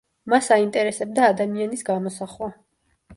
მას აინტერესებდა ადამიანის გამოსახვა.